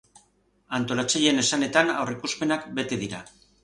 Antolatzaileen esanetan, aurreikuspenak bete dira.